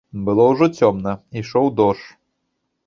Было ўжо цёмна, ішоў дождж.